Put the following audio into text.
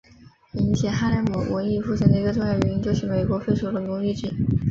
引起哈莱姆文艺复兴的一个重要原因就是美国废除了奴隶制。